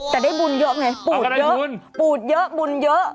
แต่ได้บุญเยอะไงปูดเยอะบุญเยอะ